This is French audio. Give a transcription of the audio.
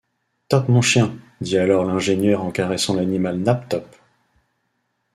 Top mon chien, dit alors l’ingénieur en caressant l’animal, Nab, Top